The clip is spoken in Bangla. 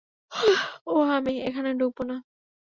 ওহ, আমি ওখানে ঢুকবো না।